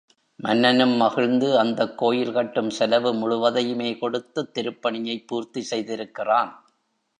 மன்னனும் மகிழ்ந்து அந்தக் கோயில் கட்டும் செலவு முழுவதையுமே கொடுத்துத் திருப்பணியைப் பூர்த்தி செய்திருக்கிறான்.